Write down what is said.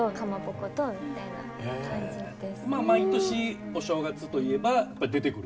まあ毎年お正月といえば出てくる？